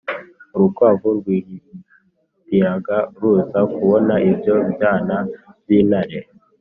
urukwavu rwihitiraga, ruza kubona ibyo byana by'intare